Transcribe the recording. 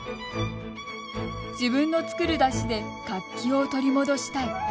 自分の作る山車で活気を取り戻したい。